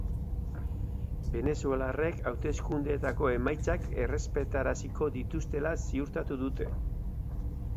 Venezuelarrek hauteskundeetako emaitzak errespetaraziko dituztela ziurtatu du.